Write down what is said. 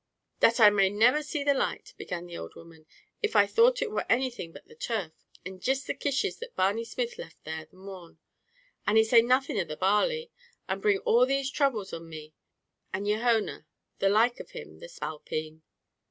"Dat I may never see the light," began the old woman, "if I thought it wor anything but the turf, and jist the kishes that Barney Smith left there, the morn; and he to say nothing of the barley, and bring all these throubles on me and yer honer, the like of him, the spalpeen!"